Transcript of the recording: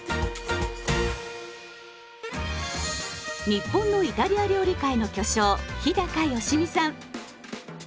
日本のイタリア料理界の巨匠日良実さん。